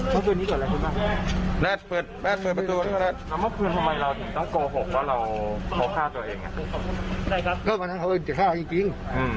ก็เพราะฉะนั้นเค้าจะฆ่าจริง